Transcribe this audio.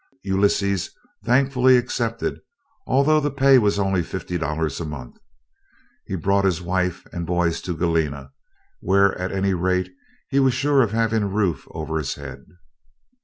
Ulysses thankfully accepted, although the pay was only fifty dollars a month. He brought his wife and boys to Galena, where at any rate he was sure of having a roof over his head.